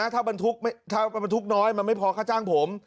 ถ้าบรรทุกน้อยมันไม่พอค่าจ้างผม